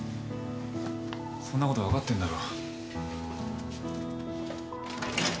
そんなこと分かってんだろ。